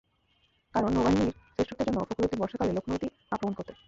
কারণ, নৌবাহিনীর শ্রেষ্ঠত্বের জন্য ফখরউদ্দীন বর্ষাকালে লখনৌতি আক্রমণ করতেন।